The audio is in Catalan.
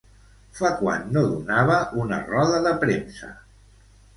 Fa quan no donava una roda de premsa?